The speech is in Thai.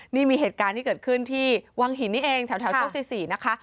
นี่มีเหตุการณ์ที่เกิดขึ้นที่วังหินนี่เองแถวโชคชัย๔นะคะ